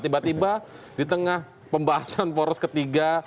tiba tiba di tengah pembahasan poros ketiga